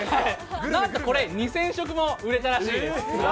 なんとこれ、２０００食も売れたらしいです。